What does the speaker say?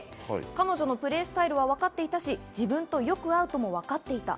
彼女のプレースタイルはわかっていたし、自分とよく合うともわかっていた。